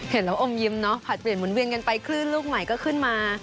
เห็นแล้วอมยิ้มเนาะผลัดเปลี่ยนหมุนเวียนกันไปคลื่นลูกใหม่ก็ขึ้นมา